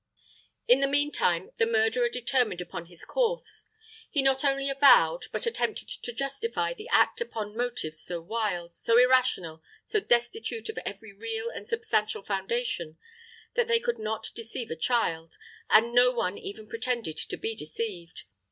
In the mean time, the murderer determined upon his course. He not only avowed, but attempted to justify the act upon motives so wild, so irrational, so destitute of every real and substantial foundation, that they could not deceive a child, and no one even pretended to be deceived.